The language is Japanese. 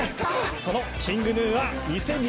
そのＫｉｎｇＧｎｕは２０２２